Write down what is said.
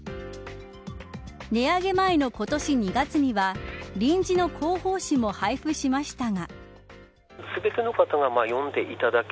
値上げ前の今年２月には臨時の広報誌も配布しましたが。